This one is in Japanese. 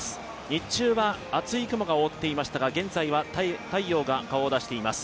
日中は厚い雲が覆っていましたが、現在は太陽が顔を出しています。